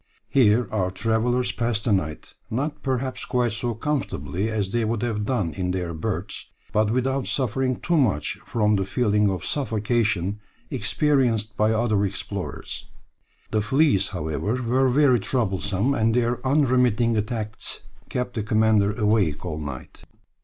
Here our travellers passed the night, not perhaps quite so comfortably as they would have done in their berths, but without suffering too much from the feeling of suffocation experienced by other explorers. The fleas, however, were very troublesome, and their unremitting attacks kept the commander awake all night.